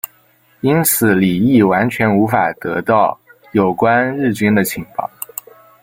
因此李镒完全无法得到有关日军的情报。